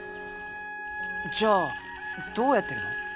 じゃあどうやってるの？